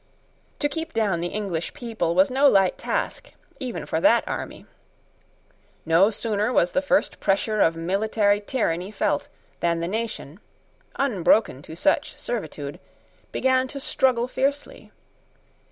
To keep down the English people was no light task even for that army. No sooner was the first pressure of military tyranny felt, than the nation, unbroken to such servitude, began to struggle fiercely.